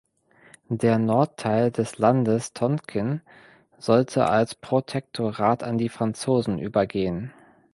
Der Nordteil des Landes Tonkin sollte als Protektorat an die Franzosen übergehen.